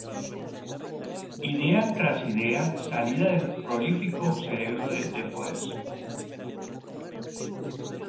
Idea tras idea salía del prolífico cerebro de De Forest.